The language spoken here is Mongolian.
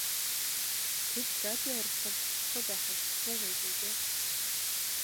Тэд радио харилцааг таслахгүй байхыг цөхрөн гуйж байжээ.